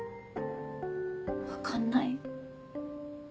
分かんない。